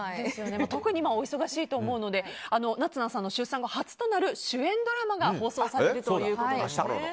特にお忙しいとは思うので夏菜さんの出産後初となる主演ドラマが放送されるということですね。